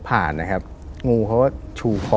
ผ่านนะครับงูเขาก็ชูคอ